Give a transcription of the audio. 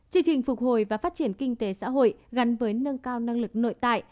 chương trình phục hồi và phát triển kinh tế xã hội gắn với nâng cao năng lực nội tại